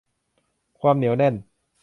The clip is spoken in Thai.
ความเหนียวแน่น